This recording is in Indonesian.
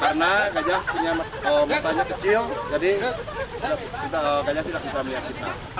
karena gajah punya matanya kecil jadi gajah tidak bisa melihat kita